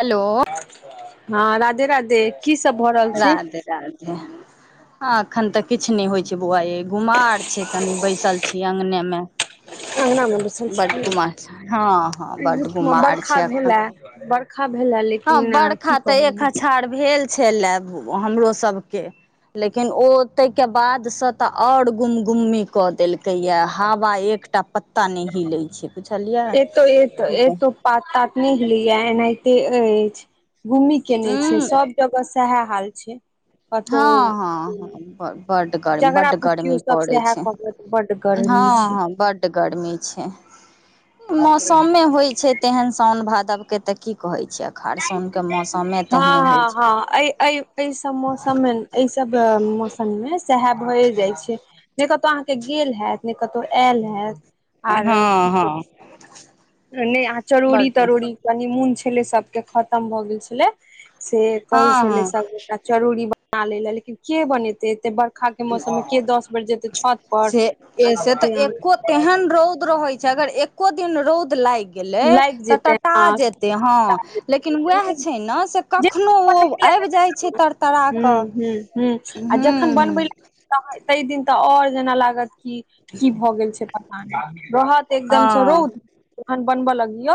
Hello हँ राधे राधे की सब भऽ रहल छै राधे राधे एखन तऽ किछु नहि होय छै बौआ ए गुमार छै कनि बैसल छी अङगने मे अंगना मे बैसल बड छी गुमार छै हँ हँ बड गुमार बरखा छै भेले एखन बरखा भेले हँ लेकिन की बरखा तऽ एक कहू अछार भेल छ ले हमरो सभके लेकिन ओ ताहि के बाद से तऽ आओर गुमगुमी क देलकै या हवा एकटा पत्ता नहि हिलै छै बुझलियै एतो एतो की कही एतो पात तात नहि हिलैया एनाहिते अछि गुमी केने छै हूँ सभ जगह सएह हाल छै कतौ हँ हँ हँ ब बड ग जकरा बड पुछियो गर्मी सब पड़ै सएह छै कहत बड गर्मी हँ छै हँ बड गर्मी छै मौसमे होय छै तेहन साउन भादवके तऽ की कहैत छियै हँ हँ हँ अ अ एहि सब मौसम मे एहि सब मौसम मे सएह भए जाय छै कतहु अहाँके गेल हेयत ने कतहु आयल हयत हँ हँ नहि आ चरौड़ी बड तरौड़ी कनी मून छलै सबके खत्म भऽ गेल छलै से कहै हँ छलै हँ सभगोटा चरौरी बना ले लए लेकिन के बनेते एते बड़ बखा के मौसम मे के दस बेर जेतै छत से पर र रहै छै अगर एको दिन रौद लागि तै लागि त जेतै टटा हँ जेतै ह लेकिन वेह छै न से कखनो आबि जाय छै तरतरा हुं कऽ हू तऽ ताहि दिन तऽ आओर जेना लागत की की भऽ गेल छै पता रहत एकदमसँ हँ रौद अखन बनबऽ लगियौ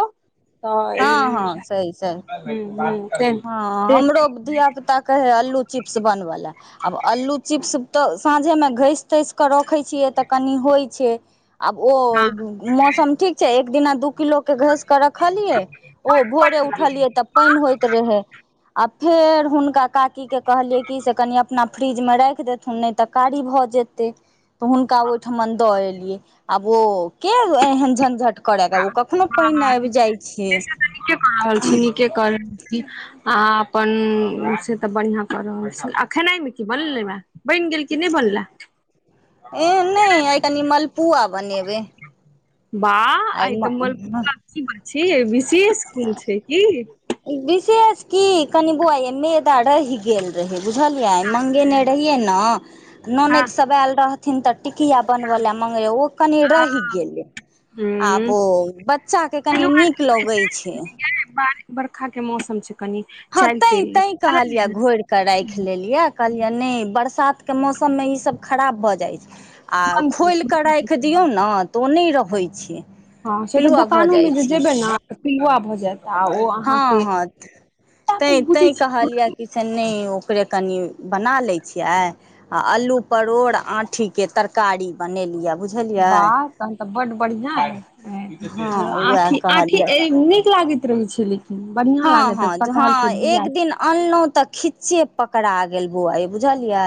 हँ हँ तऽ सही सही ह ह हँ हमरो ब धिया पुता कहै हइ अल्लू चिप्स बनबै लए आब अल्लू चिप्स तऽ साँझेमे घसि तसि के रखै छियै तऽ कनि होय छै आब ओ मौसम ठीक एक दिना दू किलो के घसि के रखलियै ओ भोरे उठलियै तब पानि होय रहै आ फेर हुनका काकी के कहलियै कि से क अपना फ्रिजमे राखि देथुन नहि तऽ कारी भऽ जेतै तऽ हुनका ओहिठमन दऽ एलियै आब ओ किया एहन झंझट करयके ओ कखनो पानि आबि जाइ छै क आ अपन से तऽ बढ़िया क रहल छै आ खेनाय मे की बनलै बनि गेल कि नहि बनला ए नहि आ कनि मलपुआ बनेबै बा आइ आय तऽ मलपुआ की बात छै विशेष कोन छै की विशेष की कनि बोआ यै मेदा रहि गेल रहै बुझलियै मंगेने रहियै ने हँ ननदि सब आयल रहथिन तऽ टिकिया बनबे ले मंगरे ओ कनी रहि हँ गेलै। आब हूँ ओ बच्चा के कनि नीक लगै छैय। बरखा के मौसम छैय। हँ तैं तैं कहलियै घोरि कऽ राखि ले। लेलियै। कहलियै नहि बरसातके मौसममे ईसभ खराब भऽ जाइ छैय। आ खोलि कऽ राखि दियौ ने तऽ ओ नहि रहै छैय। हँ से तऽ दोकानोमे जे जेबै ने पिलुआ भऽ जायत आ ओ अहाँके तैँ बुझै तैँ कहलियै छियै कि से नहि ओकरे कनि बना लैत छियै आय। आ अलू परोड़ आँठीके तरकारी बनेलियै बुझलियै। वाह तहन तऽ बड बढ़िया हँ उएह अय आंठी कहलियै नीक लागैत रहै छैय। बढ़ियां हँ लागे हँ कटहल के हँ बिया एक दिन अनलहुँ तऽ खिच्चे पकड़ा गेल बौआ यै बुझलियै।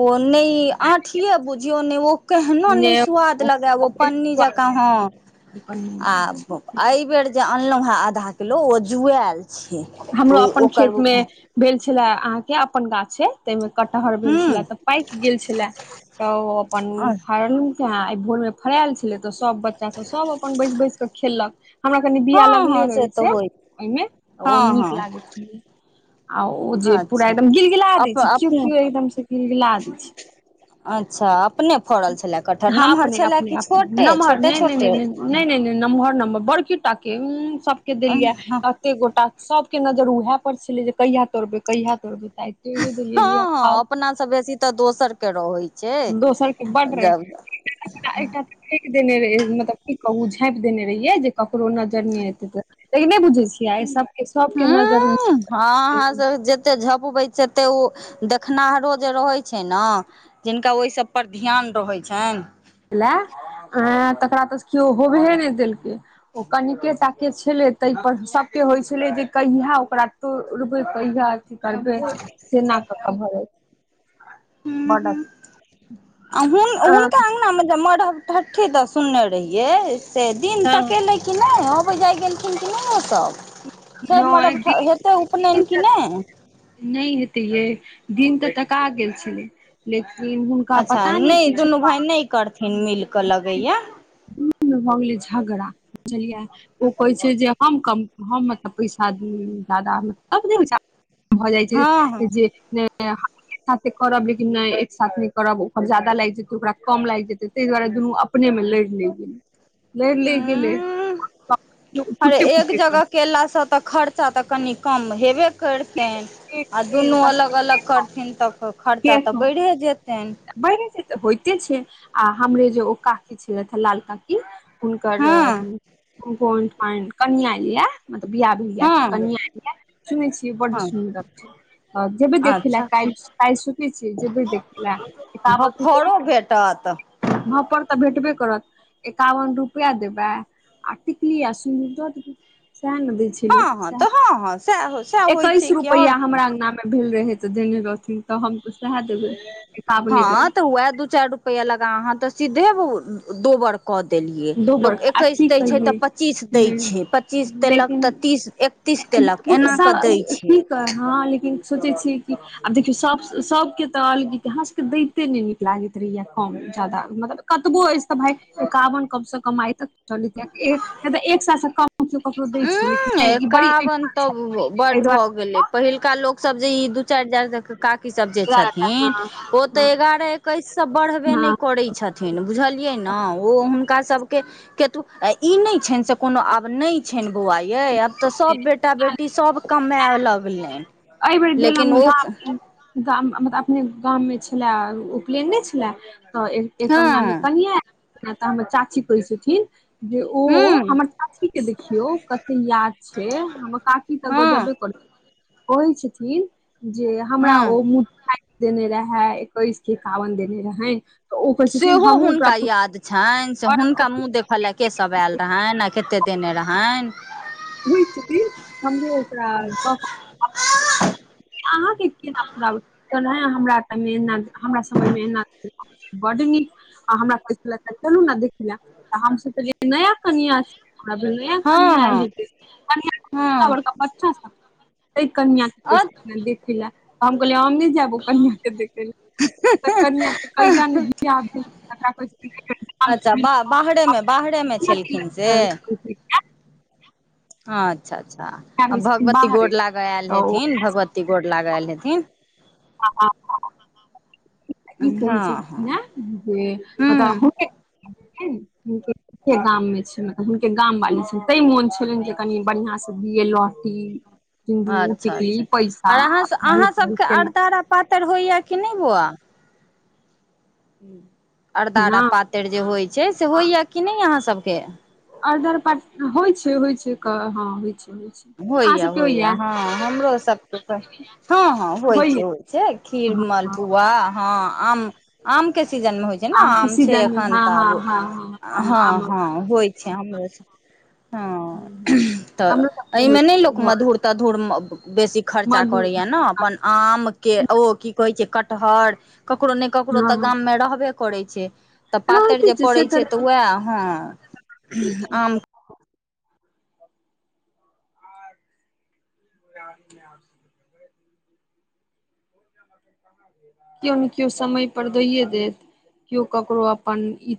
ओ नहि आठीये बुझियौ नहि वो केहनो नहि ने स्वाद लगै। पन्नी जकाँ हँ। [unintelligible] एहिबेर जे अनलहुँ हे आधा किलो ओ जुआएल छैय। हमरो अपन खेत मे भेल छलै अहाँके अपन गाछ अय। ताहिमे कटहर भेल छले तऽ पाकि गेल छले तऽ ओ अपन फारलहू। तैँ आइ भोरमे फड़यल छलै तऽ सभ बच्चासभ सभ अपन बैसि बैस कऽ खेलक। हमरा कनी बिया हँ लगले हँ से रहै तऽ छैय होइ ओहिमे ओ हँ नीक हँ लागैत छैय। आ ओ जे पूरा अच्छा एकदम गिलगिला दै अप छैय केओ अपने केओ एकदम से गिलगिला दय छैय। अच्छा अपने फड़ल छलए कटहर हँ नमहर अपने छलए अपने कि अपने छोटे नमहर छोटे नहि नहि नहि छोटे। नहि नहि नहि नहि नम्हर नम्हर बड़की टाके सबके हँ देलियैया। एते गोटा सबके नजर उएहे पर छलै जे कहिया तोरबै कहिया तोड़बै त आय तोरिये देलीयै लिय खाव। अपना से बेसी तऽ दोसर के रहैत छैय दोसर के बड रहे जब एकटा तऽ फेक देने रहहि मतलब की कहू झाँपि देने रहियै जे ककरो नजर नहि एतय त लेकिन नहि बुझै छियै एहि सबके सबके नजर ओहिपर एते झपबै तेते ओ देखनाहारो जे रहै छैय ने जिनका ओहि सभपर ध्यान रहै छनि लए अ तकरा तऽ केओ होबेे नहि देलकै। ओ कनिकेटा के छलै ताहिप सभके होइत छलै जे कहिया ओकरा तोड़बै कहिया अथी करबै से न क क भर बड आ हुनका अङ्गनामे जे मरब ठ्ठी तऽ सुनने रहियै से दिन तकेलै कि नहि अबै जाइ गेलखिन कि नहि ओ सभ? से नहि [unintelligible] दिन हेतै उपनयन कि नहि? नहि हेतै यैय दिन तऽ का गेल छलै। लेकिन हुनका अच्छा पता नहि किछ दुनू भाय नहि करथिन मिल कऽ लगैया भऽ गेलै झगड़ा बुझलियै ओ कहै छैय जे हम कम हम मतलब पैसा जादा ने भऽ जाइ हँ हँ छैय जे [unintelligible] एक साथे करब लेकिन नहि एक साथ नहि करब ओकर जादा लागि जेतै ओकरा कम लागि जेतै ताहि दुआरे दुनू अपने मे लैर लेल गेलै लैर लेल गेलै उं त अरे पुटे एक पुटे जगह केलासँ तऽ खर्चा तऽ कनि कम हेबे कैरतनि आ दुनू अलग अलग करथिन तऽ खर्चा तऽ बढ़े जेतनि। बढ़े जेतऽ होइते छैय आ हमरे जे ओ काकी छलथिन हे लाल काकी हुनकर हँ कम्पाउणड पानि कनिआँ यऽ। मतलब बियाह भी य हँ कनिया य सुनने छियै बड हँ सुन्दर छैय। ह जेबै देखैला अच्छा कालि कालि सुचै छी जेबै देखैला। एकावन भफोरो भेटत पर तऽ भेटबे करत एकावन रुपआ देबै आ टिकली आ सिन्दुर द देने सएह ने द हँ हँ, तऽ हँ हँ से एकैस रुपैआ हमरा अङ्गनामे भेल रहै तऽ देने रहथिन तऽ हम तऽ सह देबै। एकावने हँ, तऽ हुए दू चार रुपआ लगा अहाँ तऽ सीधे दोबार कऽ देलियै दो लोक बड़का आ एकैस की दै छै तऽ पच्चीस दै कहियै छै पच्चीस देलक तऽ लेकिन तीस एक। तीस देलक एना कऽ दै छै। की हँ, लेकिन सोचै छी कि। आब देखियौ सभ सभके तऽ हसगित हमरासकेँ दैते नहि नीक लागैत रहैए कम ज्यादा मतलब। कतबो अछि तऽ भाय एकावन कम से कम आइ तक चल नहि तऽ एक सालसँ कम केओ ककरो दै छै लेकिन उंम्म नहि ई बड़ी अख एकावन छै तऽ एहि बड्ड दुआरे। भऽ गेलै पहिलका लोको सभ जे ई दू चारि हजार तक का इ सभ जे एगारह टा छथिन हँ ओ तऽ हँ एगारह एकैससँ बढ़बे हँ नहि हँ करै छथिन न बुझलियै ने ओ हुनका सभके केतु ई नहि छै, से कोनो आब नहि छनि, बौआ यौ ये आब तऽ सभ बेटा बेटी सभ कमाइ लगलनि एहि बेर गेल लेकिन हम ओ गाम गाम मतलब अपने गाममें छले उपनयन ने छले तऽ एक अङंनामे हँ कनिया जेना तऽ हमर चाची कहै छथिन जे ओ हूँ हमर चाचीके देखियौ। कते याद छै, हमर काकी तऽ हँ गजबे कर कहै छथिन। जे हमरा हँ ओ मुँह देखाइ देने रहे एकैस कि एकबन देने रहै सेहोहो हुनका याद। छनि से हुनका मुँह देखय लेल के सभ आयल रहनि आ कतेक देने रहनि। बूझस्ति हमरो ओकरा अहाँकेँ केना पूरा है हमरा हमरा समयमे एना बड निक। आ हमरा कहय छलय चलु ने देख ले तऽ हमस त नया कनिया छी हमरा भेल नया कनिया आयल हँ हँ हेत। कनिया हँ बड़का बच्चा सभ कनिआ अ देखै लए तऽ हम कहलियै हम नहि जायब ओ कनियाके देखे लए ओकर कनियाके बियाह भेल तकरा कहय अच्छा बा बाहरेमे बाहरेमे छै छलखिन से ग [unintelligible] अच्छा अच्छा, आ रहै छथिन भगवती गोर बाहरे लागे आयल तऽ ओ हेथिन भगवती गोर लागे आयल हेथिन ई हँ कहै छै हँ ने। जे मब हूँ [unintelligible] गाममें छै मब हुनके गाम वाली छनि तै मोन छलनि जे कनि बढ़िया से दिय लहटी अच्छा अच्छा, आर अह अहाँ सभके अरतारा पातरि होइया कि नहि बौआ ना अरदाारा पातरि जे होइ छै से होइया कि नहि अहाँ सभके आ प होइ छै, होइ छै, हँ होइ छै, होइ छै। अहाँ होइया सबके होइया हँ हमरो सभ हँ-हँ, होइ छै, होइया होइ छै खीर, हँ हँ मलपुआ, हँ, आम। आमके सीजन मे होइ छै ने के आम छै सीजन मे एखन हँ तऽ हँ आब हँ हँ आम हँ आमक हँ, होइ हूँ हँ, हूँ तऽ हमरो सबके एहिमे होइत नहि छै लोक घर मद धूर तऽ धूर बेसी खर्चा मधुर करैय ने अपन आमके ओ की कहे छै कटहर ककरो ने ककरो हँ तऽ हँ गाममे रहबे परे छै तऽ पातरि जे पड़ै छै तऽ वएह हँ रहिते छै आम पार य्यार [unintelligible] [inaudible] केओ ने केओ समय पर दैए देत केओ ककरो अपन ई